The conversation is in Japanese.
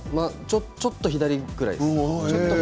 ちょっと左くらいですね。